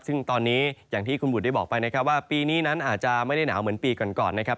ซึ่งตอนนี้อย่างที่คุณบุตรได้บอกไปนะครับว่าปีนี้นั้นอาจจะไม่ได้หนาวเหมือนปีก่อนนะครับ